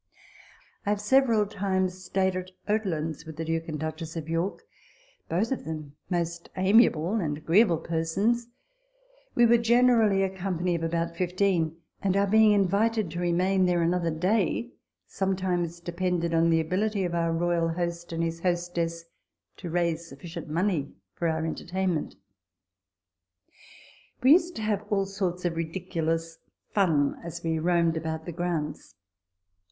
I have several times stayed at Oatlands with the Duke and Duchess of York both of them most amiable and agreeable persons. We were generally * Hay Hill, Berkeley Street, leading to Dover Street. 122 RECOLLECTIONS OF THE a company of about fifteen ; and our being invited to remain there " another day " sometimes depended on the ability of our royal host and hostess to raise sufficient money for our entertainment. We used to have all sorts of ridiculous " fun " as we roamed about the grounds.